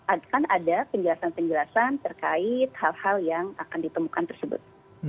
akan ada penjelasan penjelasan terkait hal hal yang akan ditemukan tersebut